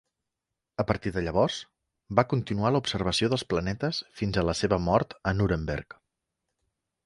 A partir de llavors, va continuar la observació dels planetes fins a la seva mort a Nuremberg.